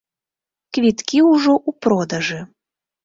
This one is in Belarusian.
Квіткі ужо ў продажы.